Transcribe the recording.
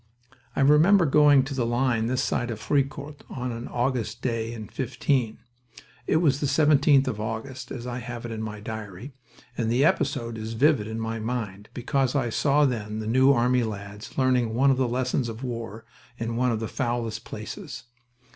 I remember going to the line this side of Fricourt on an August day in '15. It was the seventeenth of August, as I have it in my diary, and the episode is vivid in my mind because I saw then the New Army lads learning one of the lessons of war in one of the foulest places.